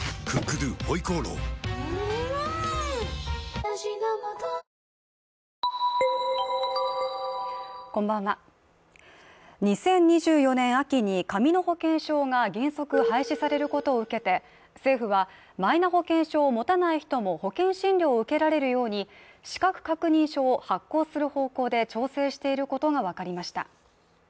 来週も見てね２０２４年秋に紙の保険証が原則廃止されることを受けて政府はマイナ保険証を持たない人も保険診療を受けられるように資格確認書を発行する方向で調整していることが分かりました